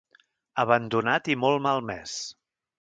Abandonat i molt malmès.